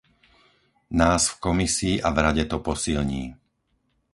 Nás v Komisii a v Rade to posilní.